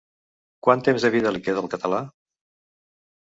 Quant temps de vida li queda al català?